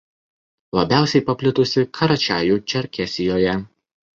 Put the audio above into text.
Labiausiai paplitusi Karačiajų Čerkesijoje.